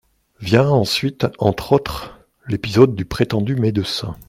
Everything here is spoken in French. Vient ensuite, entre autres, l'épisode du prétendu médecin.